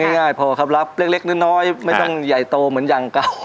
ง่ายพอครับรับเล็กน้อยไม่ต้องใหญ่โตเหมือนอย่าง